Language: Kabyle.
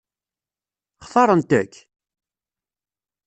Xtaṛent-k?